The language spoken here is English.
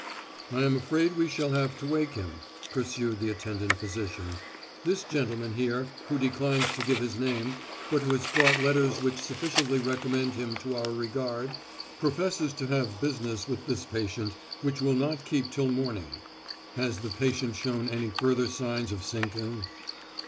"I am afraid we shall have to wake him," pursued the attendant physician. "This gentleman here, who declines to give his name, but who has brought letters which sufficiently recommend him to our regard, professes to have business with this patient which will not keep till morning. Has the patient shown any further signs of sinking?"